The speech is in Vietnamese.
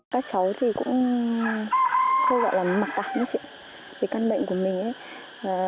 các cháu thì cũng gọi là mặc cảm về căn bệnh của mình